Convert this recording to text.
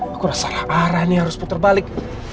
aku rasa arah arah nih harus puter balik